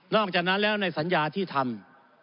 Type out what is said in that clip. อกจากนั้นแล้วในสัญญาที่ทำ